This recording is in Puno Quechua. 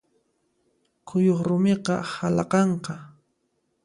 Kuyuq rumiqa halaqanqa.